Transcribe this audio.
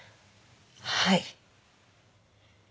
はい。